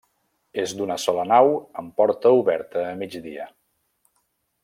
És d'una sola nau, amb porta oberta a migdia.